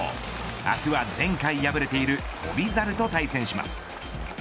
明日は前回破れている翔猿と対戦します。